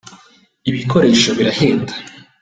ibikoresho birahenda.